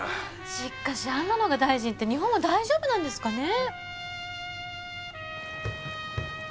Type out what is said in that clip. しっかしあんなのが大臣って日本は大丈夫なんですかね。